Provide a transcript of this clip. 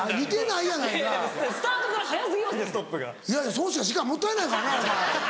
いやいやそうしか時間もったいないからなお前。